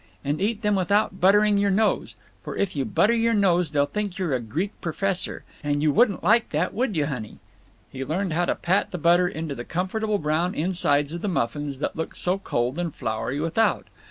And eat them without buttering your nose. For if you butter your nose they'll think you're a Greek professor. And you wouldn't like that, would you, honey?" He learned how to pat the butter into the comfortable brown insides of the muffins that looked so cold and floury without.